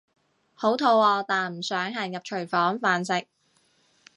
好肚餓但唔想行入廚房飯食